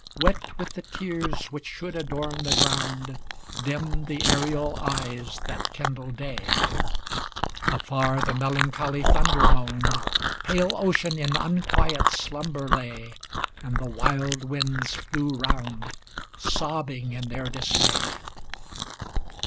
Wet with the tears which should adorn the ground. Dimmed the aerial eyes that kindle day; Afar the melancholy thunder moaned. Pale Ocean in unquiet slumber lay. And the wild winds flew round, sobbing in their dismay.